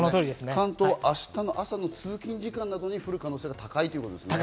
関東は明日の朝、通勤時間などに降る可能性が高いということですね。